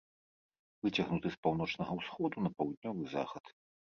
Выцягнуты з паўночнага ўсходу на паўднёвы захад.